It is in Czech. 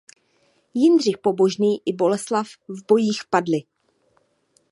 Jindřich Pobožný i Boleslav v bojích padli.